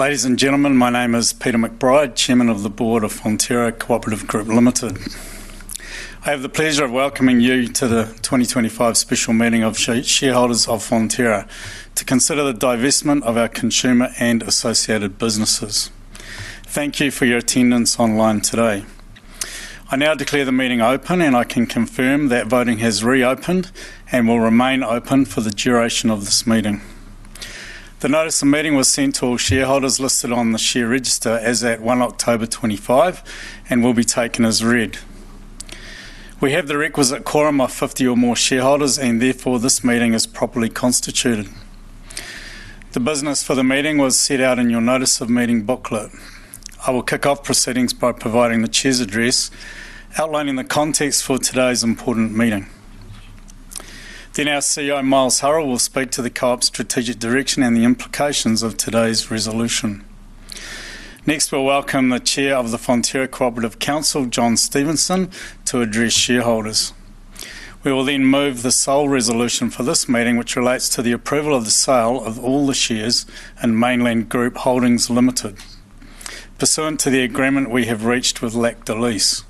Ladies and gentlemen, my name is Peter McBride, Chairman of the Board of Fonterra Co-operative Group Ltd. I have the pleasure of welcoming you to the 2025 special meeting of shareholders of Fonterra to consider the divestment of our consumer and associated businesses. Thank you for your attendance online today. I now declare the meeting open, and I can confirm that voting has reopened and will remain open for the duration of this meeting. The notice of meeting was sent to all shareholders listed on the share register as at 1 October 2025 and will be taken as read. We have the requisite quorum of 50 or more shareholders, and therefore this meeting is properly constituted. The business for the meeting was set out in your notice of meeting booklet. I will kick off proceedings by providing the Chair's address outlining the context for today's important meeting. Next, our CEO, Miles Hurrell, will speak to the Co-op's strategic direction and the implications of today's resolution. Next, we'll welcome the Chair of the Fonterra Co-operative Council, John Stevenson, to address shareholders. We will then move the sole resolution for this meeting, which relates to the approval of the sale of all the shares in Mainland Group Holdings Ltd. pursuant to the agreement we have reached with Lek Delice.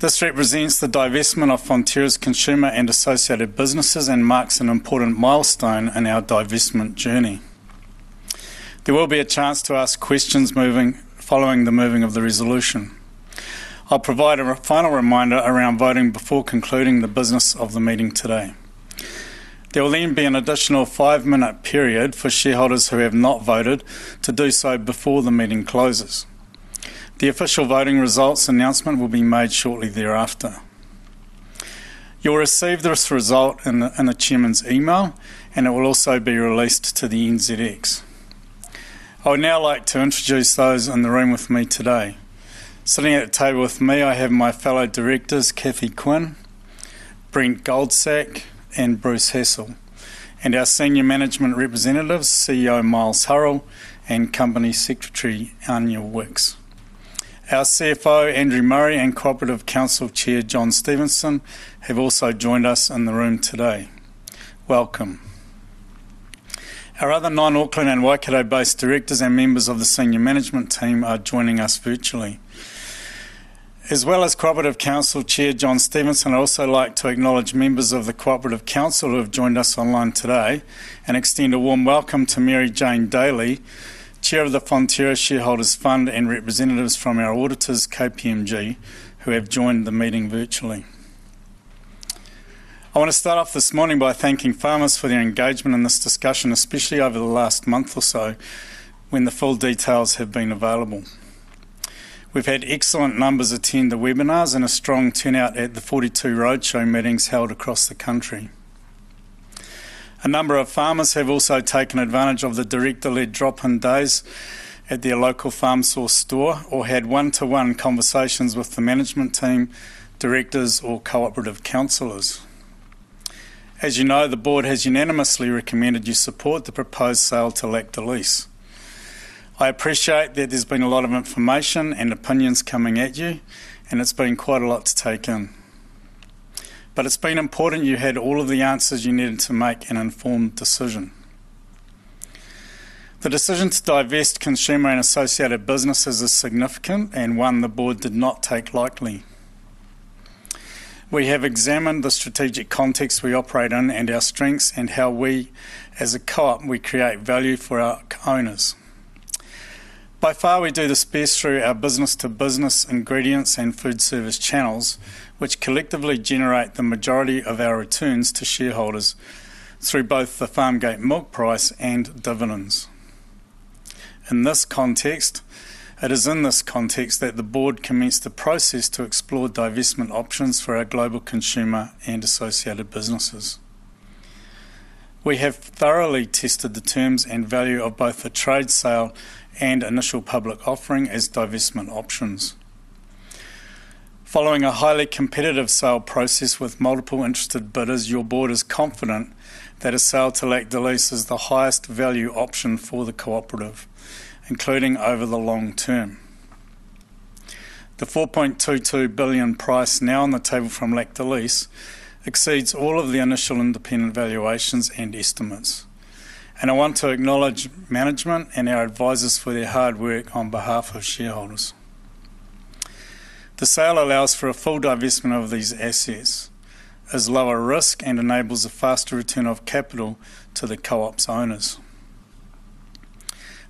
This represents the divestment of Fonterra's consumer and associated businesses and marks an important milestone in our divestment journey. There will be a chance to ask questions following the moving of the resolution. I'll provide a final reminder around voting before concluding the business of the meeting today. There will then be an additional five-minute period for shareholders who have not voted to do so before the meeting closes. The official voting results announcement will be made shortly thereafter. You'll receive this result in the Chairman's email, and it will also be released to the NZX. I would now like to introduce those in the room with me today. Sitting at the table with me, I have my fellow directors, Cathy Quinn, Brent Goldsack, and Bruce Hassall, and our Senior Management Representatives, CEO Miles Hurrell and Company Secretary Anya Wicks. Our CFO, Andrew Murray, and Co-operative Council Chair John Stevenson have also joined us in the room today. Welcome. Our other non-Auckland and Waikato-based directors and members of the Senior Management Team are joining us virtually. As well as Co-operative Council Chair John Stevenson, I'd also like to acknowledge members of the Co-operative Council who have joined us online today and extend a warm welcome to Mary Jane Daly, Chair of the Fonterra Shareholders Fund, and representatives from our auditors, KPMG, who have joined the meeting virtually. I want to start off this morning by thanking farmers for their engagement in this discussion, especially over the last month or so when the full details have been available. We've had excellent numbers attend the webinars and a strong turnout at the 42 roadshow meetings held across the country. A number of farmers have also taken advantage of the director-led drop-in days at their local Farm Source Store or had one-to-one conversations with the management team, directors, or Co-operative Councillors. As you know, the Board has unanimously recommended you support the proposed sale to Lek Delice. I appreciate that there's been a lot of information and opinions coming at you, and it's been quite a lot to take in. It's been important you had all of the answers you needed to make an informed decision. The decision to divest consumer and associated businesses is significant and one the Board did not take lightly. We have examined the strategic context we operate in and our strengths and how we, as a co-op, create value for our owners. By far, we do this best through our business-to-business ingredients and food service channels, which collectively generate the majority of our returns to shareholders through both the farmgate milk price and dividends. In this context, it is in this context that the Board commenced the process to explore divestment options for our global consumer and associated businesses. We have thoroughly tested the terms and value of both the trade sale and initial public offering as divestment options. Following a highly competitive sale process with multiple interested bidders, your Board is confident that a sale to Lek Delice is the highest value option for the co-operative, including over the long term. The $4.22 billion price now on the table from Lek Delice exceeds all of the initial independent valuations and estimates, and I want to acknowledge management and our advisors for their hard work on behalf of shareholders. The sale allows for a full divestment of these assets, is lower risk, and enables a faster return of capital to the co-op's owners.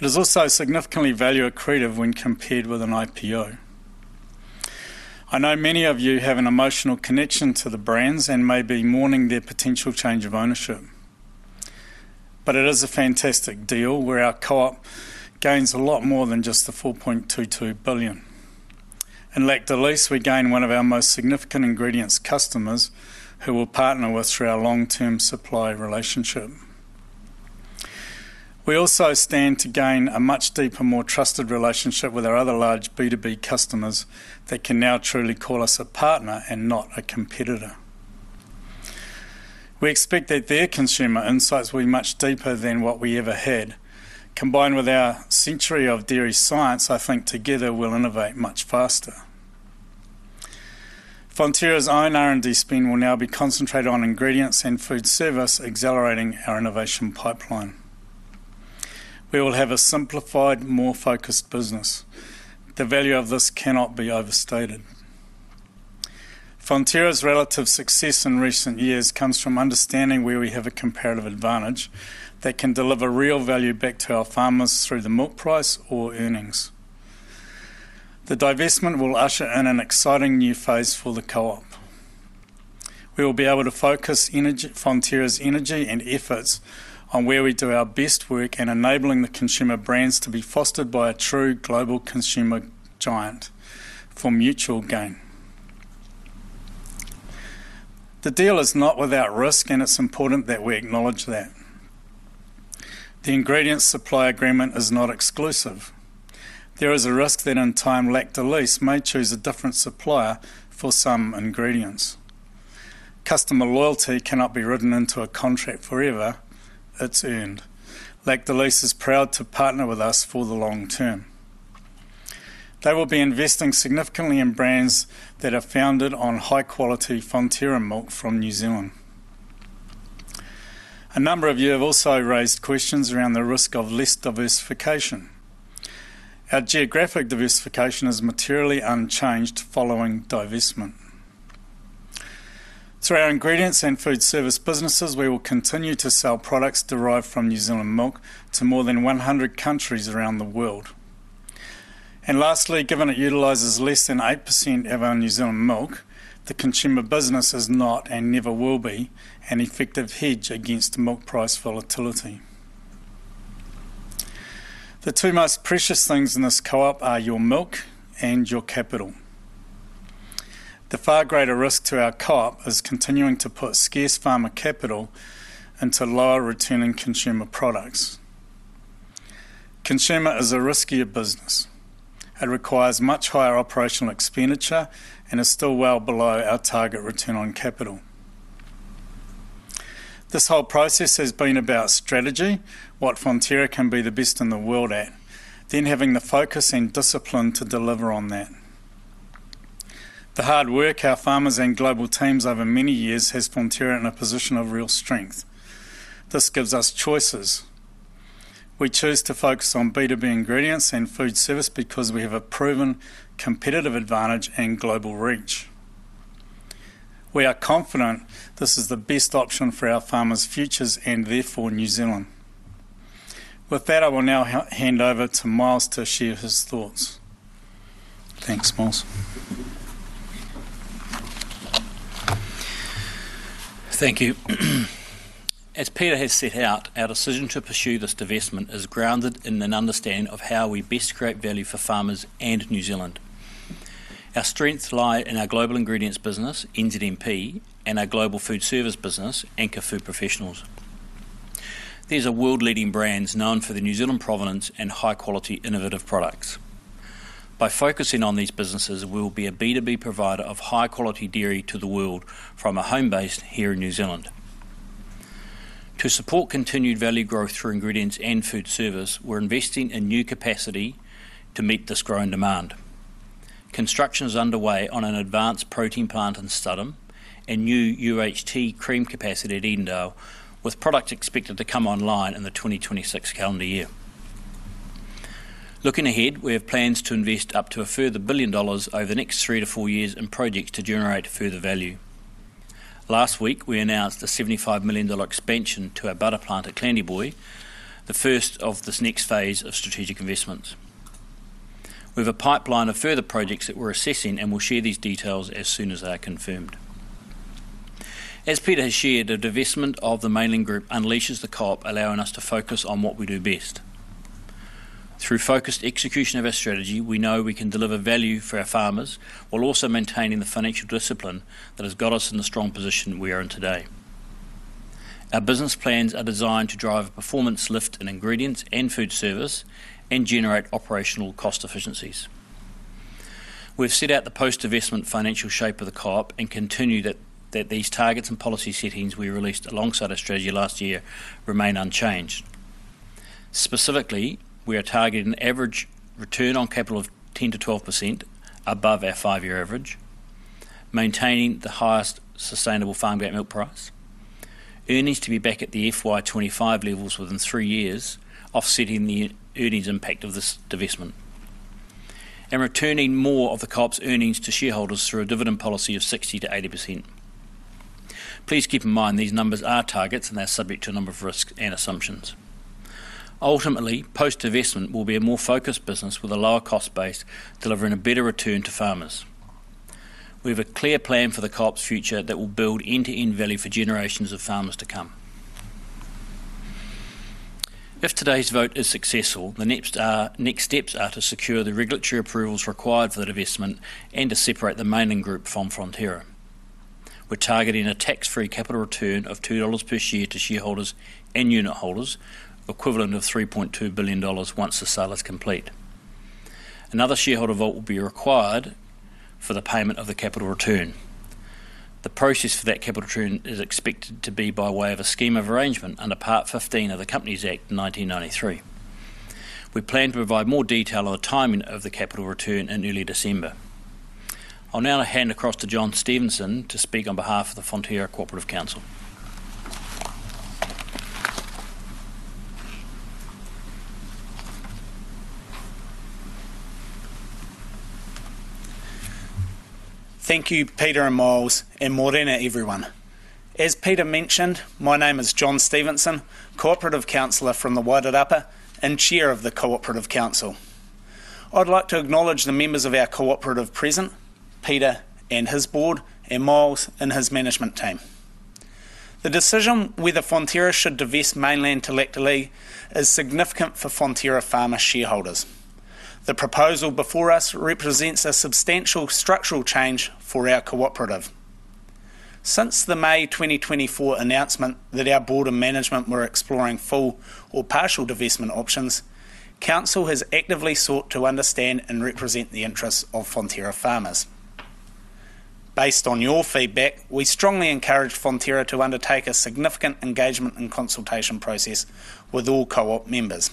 It is also significantly value accretive when compared with an IPO. I know many of you have an emotional connection to the brands and may be mourning their potential change of ownership. It is a fantastic deal where our co-op gains a lot more than just the $4.22 billion. In Lek Delice, we gain one of our most significant ingredients customers who we'll partner with through our long-term supply relationship. We also stand to gain a much deeper, more trusted relationship with our other large B2B customers that can now truly call us a partner and not a competitor. We expect that their consumer insights will be much deeper than what we ever had. Combined with our century of dairy science, I think together we'll innovate much faster. Fonterra's own R&D spend will now be concentrated on ingredients and food service, accelerating our innovation pipeline. We will have a simplified, more focused business. The value of this cannot be overstated. Fonterra's relative success in recent years comes from understanding where we have a comparative advantage that can deliver real value back to our farmers through the milk price or earnings. The divestment will usher in an exciting new phase for the co-op. We will be able to focus Fonterra's energy and efforts on where we do our best work and enabling the consumer brands to be fostered by a true global consumer giant for mutual gain. The deal is not without risk, and it's important that we acknowledge that. The ingredients supply agreement is not exclusive. There is a risk that in time Lek Delice may choose a different supplier for some ingredients. Customer loyalty cannot be written into a contract forever, it's earned. Lek Delice is proud to partner with us for the long term. They will be investing significantly in brands that are founded on high-quality Fonterra milk from New Zealand. A number of you have also raised questions around the risk of less diversification. Our geographic diversification is materially unchanged following divestment. Through our ingredients and food service businesses, we will continue to sell products derived from New Zealand milk to more than 100 countries around the world. Lastly, given it utilizes less than 8% of our New Zealand milk, the consumer business is not and never will be an effective hedge against milk price volatility. The two most precious things in this co-op are your milk and your capital. The far greater risk to our co-op is continuing to put scarce farmer capital into lower-returning consumer products. Consumer is a riskier business. It requires much higher operational expenditure and is still well below our target return on capital. This whole process has been about strategy, what Fonterra can be the best in the world at, then having the focus and discipline to deliver on that. The hard work our farmers and global teams over many years has Fonterra in a position of real strength. This gives us choices. We choose to focus on B2B ingredients and food service because we have a proven competitive advantage and global reach. We are confident this is the best option for our farmers' futures and therefore New Zealand. With that, I will now hand over to Miles to share his thoughts. Thanks, Miles. Thank you. As Peter has set out, our decision to pursue this divestment is grounded in an understanding of how we best create value for farmers and New Zealand. Our strengths lie in our global ingredients business, NZMP, and our global food service business, Anchor Food Professionals. These are world-leading brands known for their New Zealand provenance and high-quality innovative products. By focusing on these businesses, we'll be a B2B provider of high-quality dairy to the world from a home base here in New Zealand. To support continued value growth through ingredients and food service, we're investing in new capacity to meet this growing demand. Construction is underway on an advanced protein plant in Studholme and new UHT cream capacity at Edendale with products expected to come online in the 2026 calendar year. Looking ahead, we have plans to invest up to a further $1 billion over the next three to four years in projects to generate further value. Last week, we announced a $75 million expansion to our butter plant at Clandeboye, the first of this next phase of strategic investments. We have a pipeline of further projects that we're assessing and will share these details as soon as they are confirmed. As Peter has shared, the divestment of the Mainland Group unleashes the co-op, allowing us to focus on what we do best. Through focused execution of our strategy, we know we can deliver value for our farmers while also maintaining the financial discipline that has got us in the strong position we are in today. Our business plans are designed to drive a performance lift in ingredients and food service and generate operational cost efficiencies. We've set out the post-divestment financial shape of the co-op and confirm that these targets and policy settings we released alongside our strategy last year remain unchanged. Specifically, we are targeting an average return on capital of 10%-12% above our five-year average, maintaining the highest sustainable farmgate milk price, earnings to be back at the FY 2025 levels within three years, offsetting the earnings impact of this divestment, and returning more of the co-op's earnings to shareholders through a dividend policy of 60%-80%. Please keep in mind these numbers are targets and they're subject to a number of risks and assumptions. Ultimately, post-divestment will be a more focused business with a lower cost base, delivering a better return to farmers. We have a clear plan for the Co-op's future that will build end-to-end value for generations of farmers to come. If today's vote is successful, the next steps are to secure the regulatory approvals required for the divestment and to separate the Mainland Group from Fonterra. We're targeting a tax-free capital return of $2.00 per share to shareholders and unit holders, equivalent to $3.2 billion once the sale is complete. Another shareholder vote will be required for the payment of the capital return. The process for that capital return is expected to be by way of a scheme of arrangement under Part 15 of the Companies Act 1993. We plan to provide more detail on the timing of the capital return in early December. I'll now hand across to John Stevenson to speak on behalf of the Fonterra Co-operative Council. Thank you, Peter and Miles, and morena everyone. As Peter mentioned, my name is John Stevenson, Co-operative Councillor from the Wairarapa and Chair of the Co-operative Council. I'd like to acknowledge the members of our co-operative present, Peter and his board, and Miles and his management team. The decision whether Fonterra should divest Mainland to Lek Delice is significant for Fonterra farmer shareholders. The proposal before us represents a substantial structural change for our co-operative. Since the May 2024 announcement that our board and management were exploring full or partial divestment options, council has actively sought to understand and represent the interests of Fonterra farmers. Based on your feedback, we strongly encourage Fonterra to undertake a significant engagement and consultation process with all co-op members.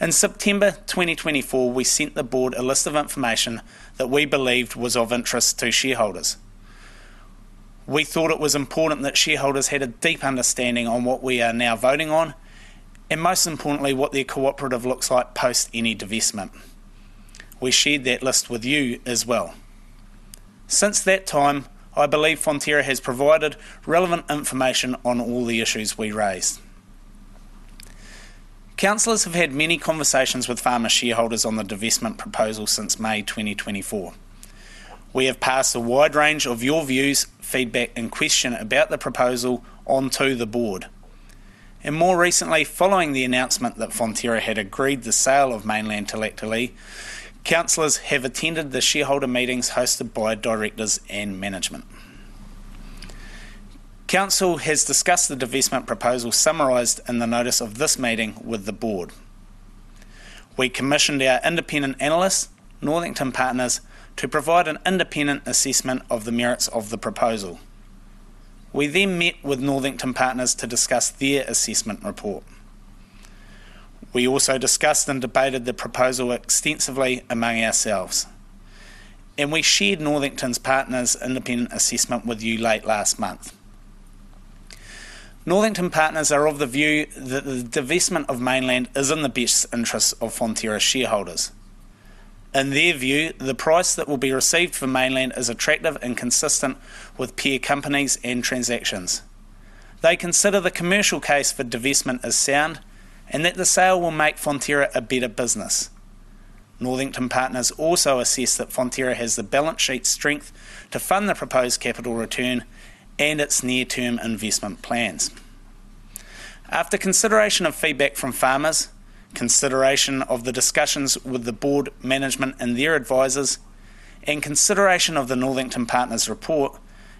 In September 2024, we sent the board a list of information that we believed was of interest to shareholders. We thought it was important that shareholders had a deep understanding on what we are now voting on, and most importantly, what their co-operative looks like post any divestment. We shared that list with you as well. Since that time, I believe Fonterra has provided relevant information on all the issues we raised. Councillors have had many conversations with farmer shareholders on the divestment proposal since May 2024. We have passed a wide range of your views, feedback, and questions about the proposal onto the board. More recently, following the announcement that Fonterra had agreed the sale of Mainland to Lek Delice, councillors have attended the shareholder meetings hosted by directors and management. Council has discussed the divestment proposal summarized in the notice of this meeting with the board. We commissioned our independent analysts, Northington Partners, to provide an independent assessment of the merits of the proposal. We then met with Northington Partners to discuss their assessment report. We also discussed and debated the proposal extensively among ourselves. We shared Northington Partners' independent assessment with you late last month. Northington Partners are of the view that the divestment of Mainland is in the best interests of Fonterra shareholders. In their view, the price that will be received for Mainland is attractive and consistent with peer companies and transactions. They consider the commercial case for divestment as sound and that the sale will make Fonterra a better business. Northington Partners also assess that Fonterra has the balance sheet strength to fund the proposed capital return and its near-term investment plans. After consideration of feedback from farmers, consideration of the discussions with the Board, management and their advisors, and consideration of the Northington Partners' report,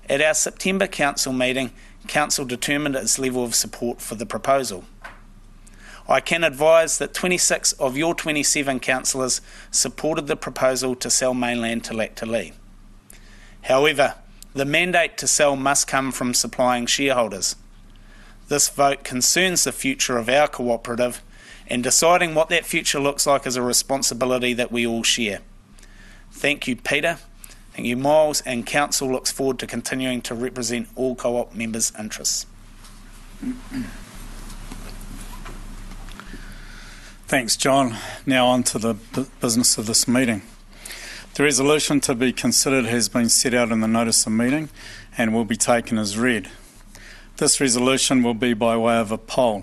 at our September Council meeting, Council determined its level of support for the proposal. I can advise that 26 of your 27 Councillors supported the proposal to sell Mainland to Lek Delice. However, the mandate to sell must come from supplying shareholders. This vote concerns the future of our co-operative, and deciding what that future looks like is a responsibility that we all share. Thank you, Peter. Thank you, Miles, and Council looks forward to continuing to represent all co-op members' interests. Thanks, John. Now on to the business of this meeting. The resolution to be considered has been set out in the notice of meeting and will be taken as read. This resolution will be by way of a poll.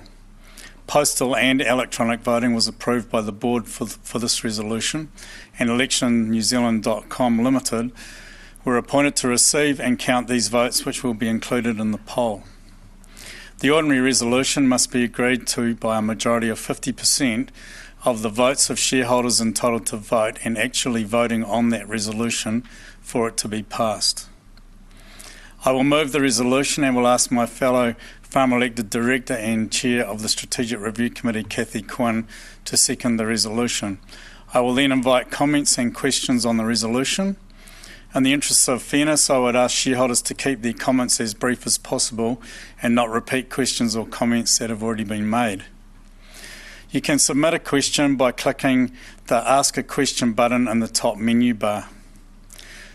Postal and electronic voting was approved by the board for this resolution, and ElectionNewzealand.com Ltd. were appointed to receive and count these votes, which will be included in the poll. The ordinary resolution must be agreed to by a majority of 50% of the votes of shareholders entitled to vote and actually voting on that resolution for it to be passed. I will move the resolution and will ask my fellow farm-elected Director and Chair of the Strategic Review Committee, Cathy Quinn, to second the resolution. I will then invite comments and questions on the resolution. In the interest of fairness, I would ask shareholders to keep their comments as brief as possible and not repeat questions or comments that have already been made. You can submit a question by clicking the Ask a Question button in the top menu bar.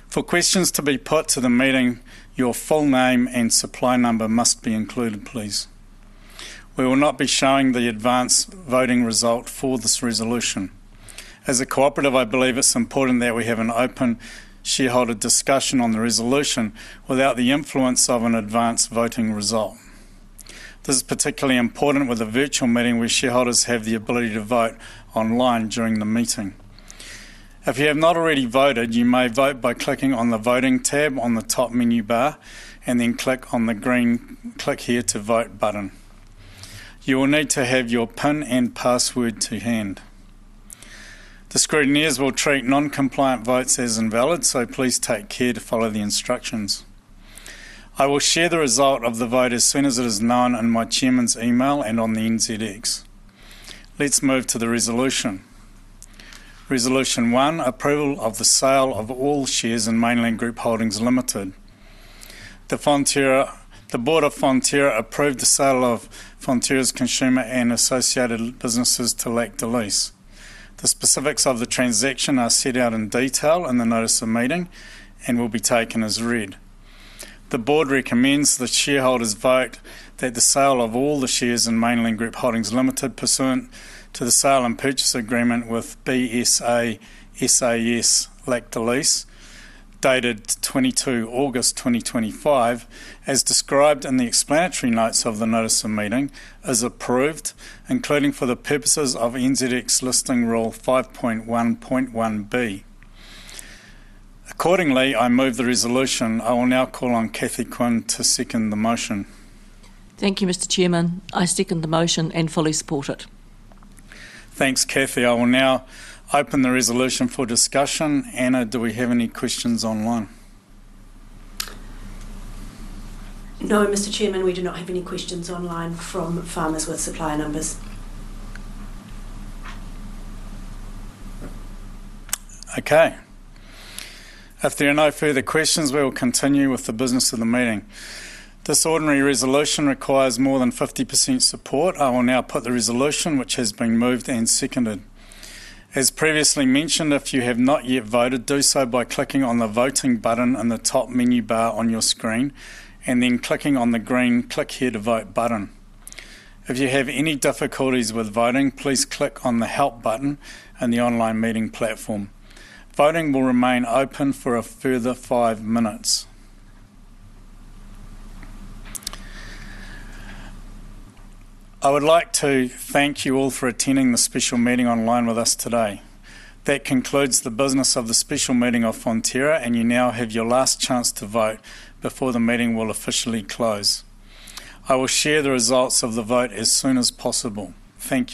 For questions to be put to the meeting, your full name and supply number must be included, please. We will not be showing the advanced voting result for this resolution. As a co-operative, I believe it's important that we have an open shareholder discussion on the resolution without the influence of an advanced voting result. This is particularly important with a virtual meeting where shareholders have the ability to vote online during the meeting. If you have not already voted, you may vote by clicking on the voting tab on the top menu bar and then click on the green Click Here to Vote button. You will need to have your PIN and password to hand. The scrutineers will treat non-compliant votes as invalid, so please take care to follow the instructions. I will share the result of the vote as soon as it is known in my Chairman's email and on the NZX. Let's move to the resolution. Resolution one, approval of the sale of all shares in Mainland Group Holdings Ltd. The Board of Fonterra approved the sale of Fonterra's consumer and associated businesses to Lek Delice. The specifics of the transaction are set out in detail in the notice of meeting and will be taken as read. The board recommends the shareholders vote that the sale of all the shares in Mainland Group Holdings Ltd. pursuant to the sale and purchase agreement with BSA SAS Lek Delice dated 22 August 2025, as described in the explanatory notes of the notice of meeting, is approved, including for the purposes of NZX listing rule 5.1.1B. Accordingly, I move the resolution. I will now call on Cathy Quinn to second the motion. Thank you, Mr. Chairman. I second the motion and fully support it. Thanks, Cathy. I will now open the resolution for discussion. Anna, do we have any questions online? No, Mr. Chairman, we do not have any questions online from farmers with supply numbers. Okay. If there are no further questions, we will continue with the business of the meeting. This ordinary resolution requires more than 50% support. I will now put the resolution, which has been moved and seconded. As previously mentioned, if you have not yet voted, do so by clicking on the voting button in the top menu bar on your screen and then clicking on the green Click Here to Vote button. If you have any difficulties with voting, please click on the Help button in the online meeting platform. Voting will remain open for a further five minutes. I would like to thank you all for attending the special meeting online with us today. That concludes the business of the special meeting of Fonterra, and you now have your last chance to vote before the meeting will officially close. I will share the results of the vote as soon as possible. Thank you.